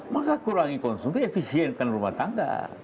maka kurangi konsumsi efisienkan rumah tangga